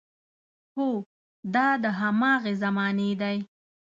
هو، دا د هماغې زمانې دی.